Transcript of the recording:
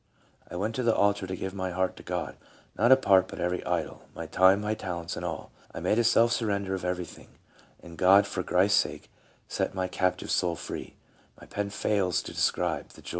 I went to the altar to give my heart to God, not a part, but every idol, my time, my talents, and all. I made a full surrender of everything, and God for Christ's sake set my captive soul free. ..